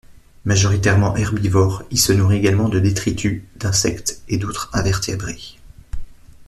Majoritairement herbivore, il se nourrit également de détritus, d'insectes et d'autres invertébrés.